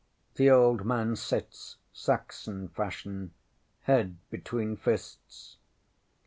The old man sits, Saxon fashion, head between fists.